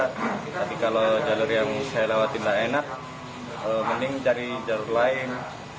tapi kalau jalur yang saya lewatin nggak enak mending cari jalur lain